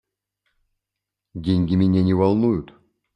Деньги меня не волнуют.